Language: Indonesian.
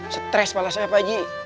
stres pak lasanya baji